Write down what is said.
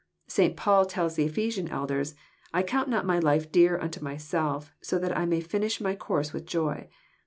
St. Paul tells the Ephesian elders, " I count not my life dear unto myself so that I may finish my course with joy."